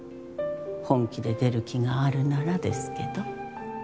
本気で出る気があるならですけど。